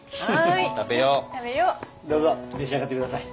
どうぞ召し上がって下さい。